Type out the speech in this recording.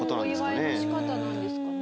お祝いの仕方なんですかね。